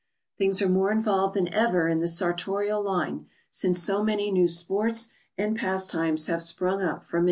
Things are more involved than ever in the sartorial line, since so many new sports and pastimes have sprung up for men.